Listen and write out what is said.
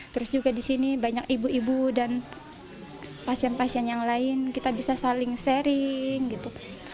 terus juga di sini banyak ibu ibu dan pasien pasien yang lain kita bisa saling sharing gitu